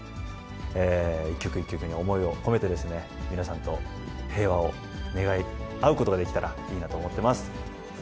一曲一曲に思いを込めて、皆さんと平和を願い合うことができたらいいなと思ってます。